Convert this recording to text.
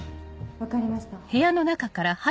・分かりました・・